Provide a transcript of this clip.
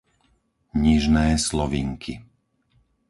Nižné Slovinky